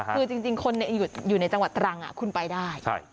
คือจริงคนอยู่ในจังหวัดตรังคุณไปได้